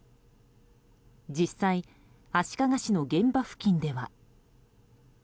実際、足利市の現場付近では。